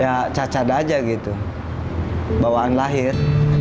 ya cacat aja gitu bawaan lahir